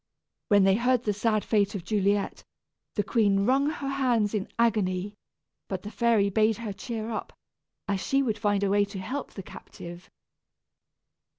When they heard the sad fate of Juliet, the queen wrung her hands in agony; but the fairy bade her cheer up, as she would find a way to help the captive.